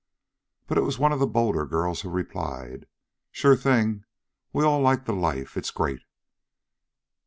But it was one of the bolder girls who replied: "Sure thing, we all like the life. It's great."